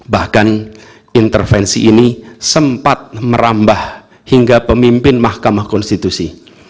bahkan intervensi ini sempat merambah hingga pemimpin mahkamah konstitusi